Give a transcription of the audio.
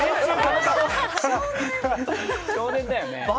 少年だよね。